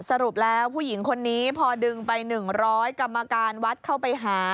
สรุปแล้วผู้หญิงคนนี้พอดึงไป๑๐๐กรรมการวัดเข้าไปหา